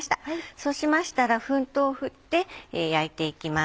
そうしましたら粉糖を振って焼いていきます。